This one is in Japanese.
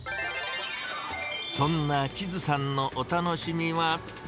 そんな千都さんのお楽しみは。